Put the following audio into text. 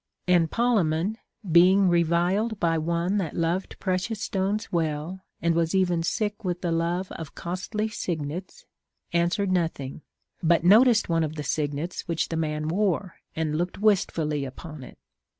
And Polemon, being reviled by one that loved precious stones well and was even sick with the love of costly signets, answered nothing, but noticed one of the signets which the man wore, and looked Avistfully upon it.